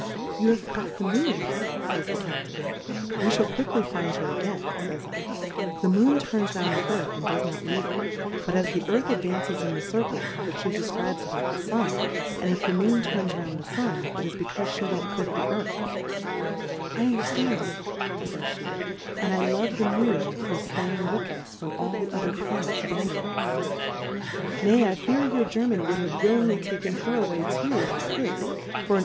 You have forgot the Moon^ fays the Countcfs^ we fliall quickly find her a gain, fays /, the Moon turns round the Earthy and does not leave her, but as the Earth advances in the Circle, which firie defcribes about the Sm ; and if the Moon turns round the Sun^ it is becaufe flie won't quit the Earth ; I underftand you, fays Jhe^ and I love the Moon for iiaying 11 Difcoiirfcs on the flaying with us when all the other Pla nets abandon us ; nay, I fcar your Ger 7nan would have wiUiiigly#fetaken her away too if he could ; for in a!